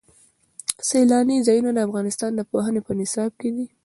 سیلاني ځایونه د افغانستان د پوهنې په نصاب کې دي.